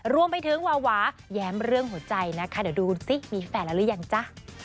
รวมไปถึงวาวาแย้มเรื่องหัวใจนะคะเดี๋ยวดูซิมีแฟนแล้วหรือยังจ๊ะ